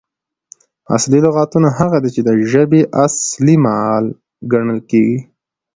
اصلي لغاتونه هغه دي، چي د ژبي اصلي مال ګڼل کیږي.